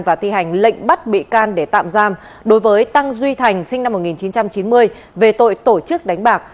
và thi hành lệnh bắt bị can để tạm giam đối với tăng duy thành sinh năm một nghìn chín trăm chín mươi về tội tổ chức đánh bạc